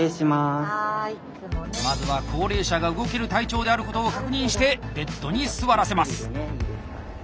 まずは高齢者が動ける体調であることを確認してベッドに座らせます。